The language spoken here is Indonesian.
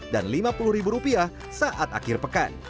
dan rp lima puluh saat akhir pekan